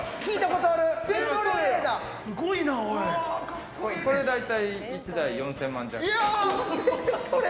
これ大体１台４０００万弱。